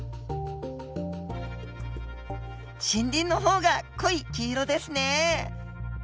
森林の方が濃い黄色ですね。